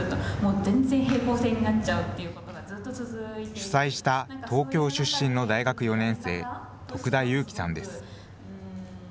主催した東京出身の大学４年生、徳田悠希さんです。